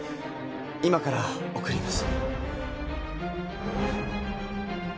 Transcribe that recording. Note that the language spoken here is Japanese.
今から送ります